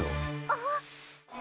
あっ。